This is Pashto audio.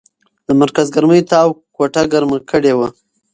د مرکز ګرمۍ تاو کوټه ګرمه کړې وه.